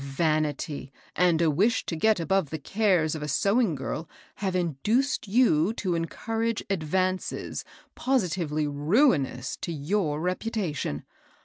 Vanity and a wish to get above the cares of a sewing girl have induced you to encour age advances positively ruinous to your reputar tion."